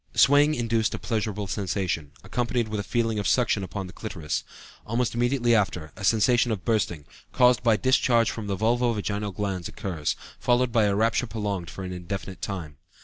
Swaying induced a pleasurable sensation, accompanied with a feeling of suction upon the clitoris. Almost immediately after, a sensation of bursting, caused by discharge from the vulvo vaginal glands, occurs, followed by a rapture prolonged for an indefinite time."